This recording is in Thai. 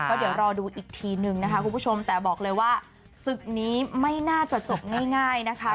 ก็เดี๋ยวรอดูอีกทีนึงนะคะคุณผู้ชมแต่บอกเลยว่าศึกนี้ไม่น่าจะจบง่ายนะคะ